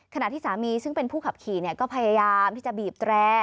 ขณะที่สามีซึ่งเป็นผู้ขับขี่ก็พยายามที่จะบีบแตร